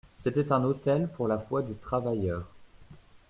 C'était un autel pour la foi du travailleur.